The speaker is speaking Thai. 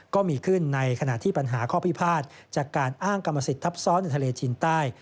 ก็มีขึ้นในขณะที่ปัญหาข้อพิพาทจากการอ้างกรรมสิทธิ์ทับซ้อนในทะเลจีนใต้